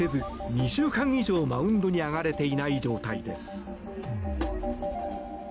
２週間以上マウンドに上がれていない状態です。